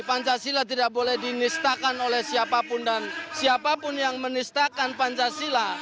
pancasila tidak boleh dinistakan oleh siapapun dan siapapun yang menistakan pancasila